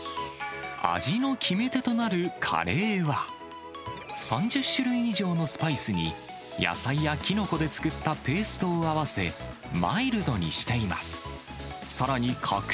味の決め手となるカレーは、３０種類以上のスパイスに、野菜やキノコで作ったペーストを合わせ、マイルドにしています。